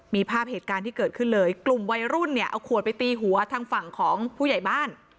มีภาพเหตุการณ์ที่เกิดขึ้นเลยกลุ่มวัยรุ่นเนี่ยเอาขวดไปตีหัวทางฝั่งของผู้ใหญ่บ้าน